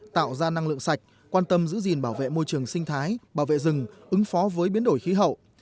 tạo ra năng lượng sạch quan tâm giữ gìn bảo vệ môi trường sinh thái bảo vệ rừng ứng phó với biến đổi khí hậu